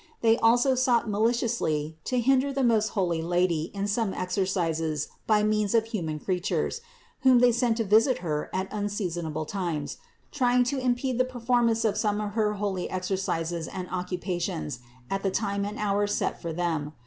They also sought maliciously to hinder the most holy Lady in some exercises by means of human creatures, whom they sent to visit Her at unseasonable times, trying to impede the performance of some of her holy exercises and occupations at the time and hour set for them.